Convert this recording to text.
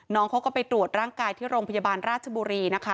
น้องเขาก็ไปตรวจร่างกายที่โรงพยาบาลราชบุรีนะคะ